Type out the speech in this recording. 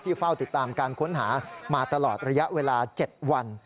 เฝ้าติดตามการค้นหามาตลอดระยะเวลา๗วัน